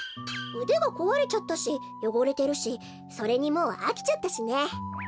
うでがこわれちゃったしよごれてるしそれにもうあきちゃったしね。